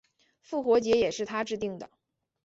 复活节也是他制定的。